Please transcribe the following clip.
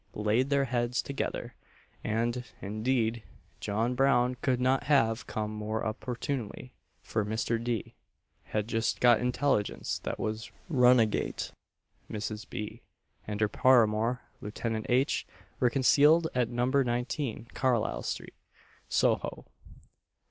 laid their heads together; and, indeed, John Brown could not have come more opportunely, for Mr. D. had just got intelligence that the runagate Mrs. B., and her paramour, Lieutenant H., were concealed at No. 19, Carlisle street, Soho.